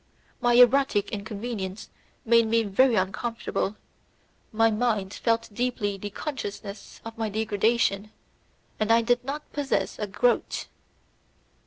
My erotic inconvenience made me very uncomfortable, my mind felt deeply the consciousness of my degradation, and I did not possess a groat!